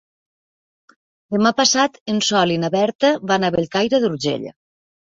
Demà passat en Sol i na Berta van a Bellcaire d'Urgell.